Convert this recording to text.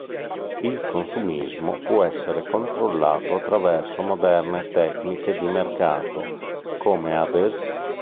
Il consumismo può essere controllato attraverso moderne tecniche di mercato, come ad es.